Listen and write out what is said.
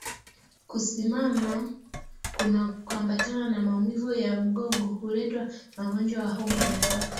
Kusimama kunakoambatana na maumivu ya mgongo huletwa na ugonjwa wa homa ya mapafu